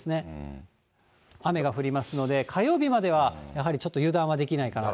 雨が降りますので、火曜日までは、やはりちょっと油断はできないかなと。